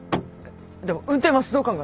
でも運転は指導官が。